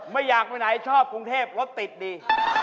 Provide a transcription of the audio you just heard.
ไม่อยากไปไหนชอบกรุงเทพรถติดดี